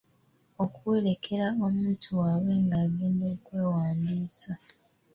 Okuwerekera omuntu waabwe nga agenda okwewandiisa.